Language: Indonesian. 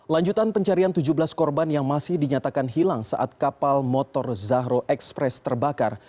lanjutan pencarian tujuh belas korban yang masih dinyatakan hilang saat kapal motor zahro express terbakar